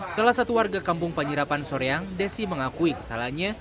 salah satu warga kampung panjerapan soreang desi mengakui kesalahannya